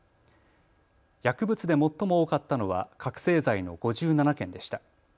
薬物で最も多かったのは覚醒剤の５７件でした。